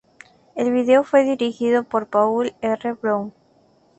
El video fue dirigido por Paul R. Brown.